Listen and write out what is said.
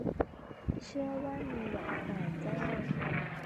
เชื่อว่ามีหวังกว่าแจ้ง